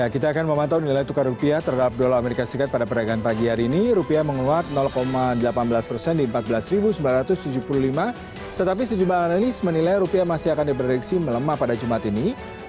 sampai jumpa di video selanjutnya